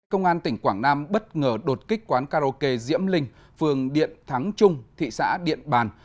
công an tỉnh quảng nam bất ngờ đột kích quán karaoke diễm linh phường điện thắng trung thị xã điện bàn